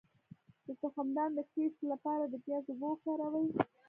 د تخمدان د کیست لپاره د پیاز اوبه وکاروئ